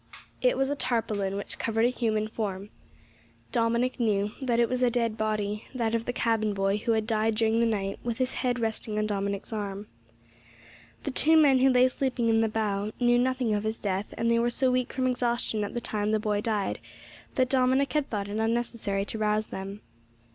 It was a tarpaulin, which covered a human form. Dominick knew that it was a dead body that of the cabin boy, who had died during the night with his head resting on Dominick's arm. The two men who lay sleeping in the bow knew nothing of his death, and they were so weak from exhaustion at the time the boy died that Dominick had thought it unnecessary to rouse them.